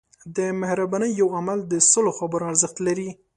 د مهربانۍ یو عمل د سلو خبرو ارزښت لري.